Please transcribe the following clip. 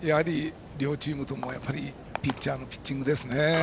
両チームともピッチャーのピッチングですね。